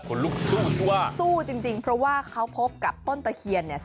คนลุกสู้ที่ว่าสู้จริงเพราะว่าเขาพบกับต้นตะเคียนเนี่ย